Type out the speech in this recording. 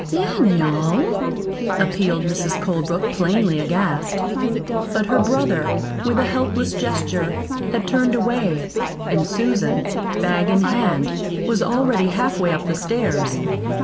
"Daniel!" appealed Mrs. Colebrook, plainly aghast. But her brother, with a helpless gesture, had turned away, and Susan, bag in hand, was already halfway up the stairs.